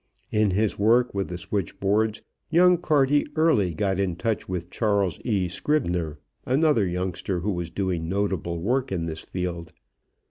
In his work with the switchboards young Carty early got in touch with Charles E. Scribner, another youngster who was doing notable work in this field.